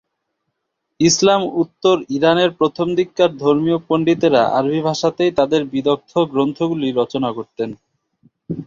ইসলাম-উত্তর ইরানের প্রথম দিককার ধর্মীয় পণ্ডিতেরা আরবি ভাষাতেই তাদের বিদগ্ধ গ্রন্থগুলি রচনা করতেন।